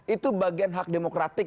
itu bagian hak demokratik